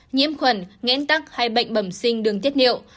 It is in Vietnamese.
nhiễm khuẩn nghẽn tắc hay bệnh bẩm sinh đường tiết niệu